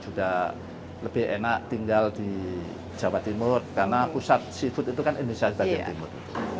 sudah lebih enak tinggal di jawa timur karena pusat seafood itu kan indonesia bagian timur